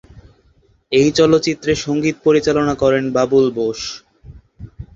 এই চলচ্চিত্রে সংগীত পরিচালনা করেন বাবুল বোস।